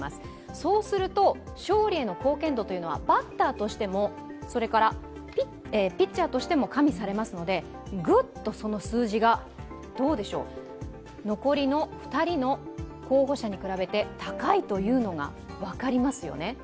そうすると勝利への貢献度はバッターとしても、それからピッチャーとしても加味されますのでグッとその数字が、残りの２人の候補者に比べて高いというのが分かりますよね。